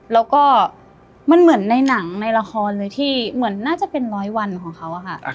แล้วก็มันเหมือนในหนังในละครเลยที่เหมือนน่าจะเป็นร้อยวันของเขาอะค่ะ